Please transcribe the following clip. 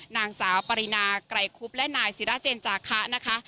นางสาวปรินาไกรคุบและนายศิราเจนจาคะนะคะ